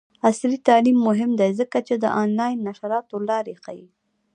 عصري تعلیم مهم دی ځکه چې د آنلاین نشراتو لارې ښيي.